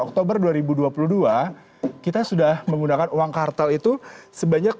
kita sudah menggunakan uang kartal itu sebanyak rp delapan dua ratus dua puluh dua